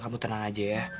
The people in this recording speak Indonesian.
kamu tenang aja ya